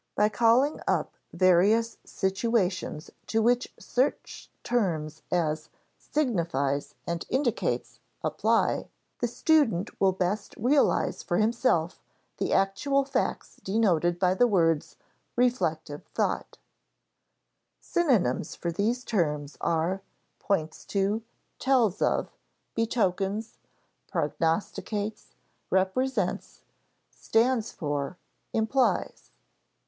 By calling up various situations to which such terms as signifies and indicates apply, the student will best realize for himself the actual facts denoted by the words reflective thought. Synonyms for these terms are: points to, tells of, betokens, prognosticates, represents, stands for, implies.